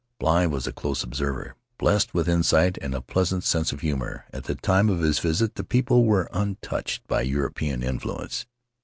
Bligh was a close observer, blessed with insight and a pleasant sense of humor; at the time of his visit the people were untouched by European influence.